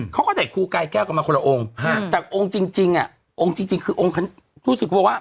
เขาก็ได้ครูกายแก้วกันมาคนละองค์แต่องค์จริงอ่ะองค์จริงคือองค์รู้สึกว่า